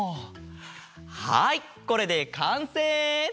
はいこれでかんせい！